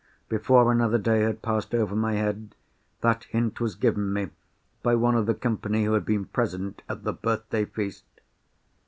Before another day had passed over my head, that hint was given me by one of the company who had been present at the birthday feast!